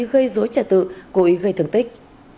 gây dối trả tự cố ý gây thương tích